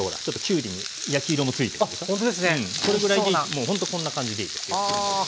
もうほんとこんな感じでいいですよ。